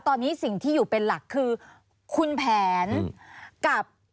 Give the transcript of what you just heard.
ตอนนี้สิ่งที่อยู่เป็นหลักคือคุณแผนกับ